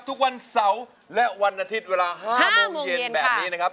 ทุกวันเสาร์และวันอาทิตย์เวลา๕โมงเย็นแบบนี้นะครับ